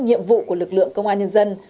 nhiệm vụ của lực lượng công an nhân dân